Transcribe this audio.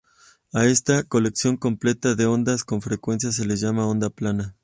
A esta colección completa de ondas con frecuencia se les llama onda plana.